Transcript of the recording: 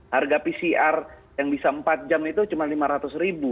harga pcr yang bisa empat jam itu cuma rp lima ratus ribu